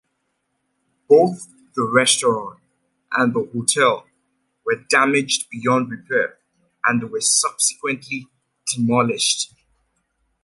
Both the restaurant and the hotel were damaged beyond repair and were subsequently demolished.